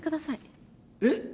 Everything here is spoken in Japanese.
えっ？